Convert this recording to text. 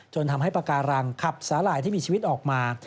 ทำให้ปากการังขับสาหร่ายที่มีชีวิตออกมา